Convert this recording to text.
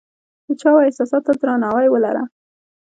د چا و احساساتو ته درناوی ولره !